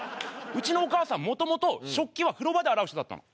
うちのお母さんもともと食器は風呂場で洗う人だったの。